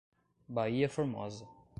Baía Formosa